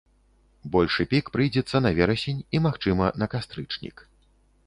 Большы пік прыйдзецца на верасень і, магчыма, на кастрычнік.